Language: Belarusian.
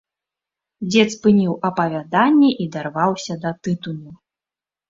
Дзед спыніў апавяданне і дарваўся да тытуню.